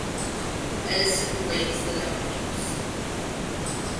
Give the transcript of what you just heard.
Edison blames the doctors.